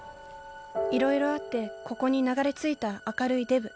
いろいろあってここに流れ着いた明るいデブ。